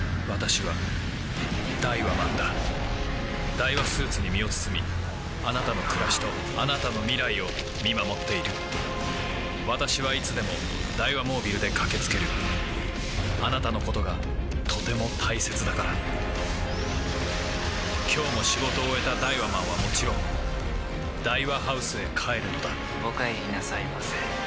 ダイワスーツに身を包みあなたの暮らしとあなたの未来を見守っている私はいつでもダイワモービルで駆け付けるあなたのことがとても大切だから今日も仕事を終えたダイワマンはもちろんダイワハウスへ帰るのだお帰りなさいませ。